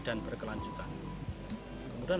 dan berkelanjutan kemudian